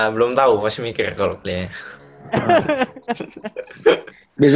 belum tau pasti mikir kalau kliennya